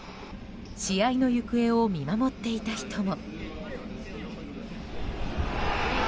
試合の行方を見守っていた人も。